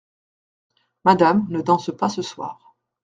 Madame ne danse pas ce soir.